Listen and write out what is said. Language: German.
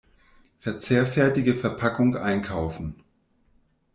Verzehrfertige Verpackung einkaufen.